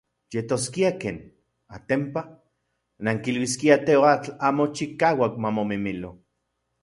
Yetoskia ken, atenpa, nankiluiskiaj teoatl amo chikauak mamomimilo.